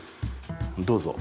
どうぞ。